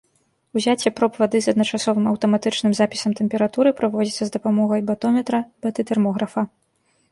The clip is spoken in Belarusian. Узяцце проб вады з адначасовым аўтаматычным запісам тэмпературы праводзіцца з дапамогай батометра-батытэрмографа.